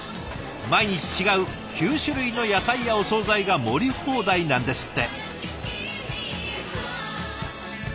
毎日違う９種類の野菜やお総菜が盛り放題なんですって。